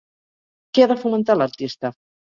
Què ha de fomentar l'artista?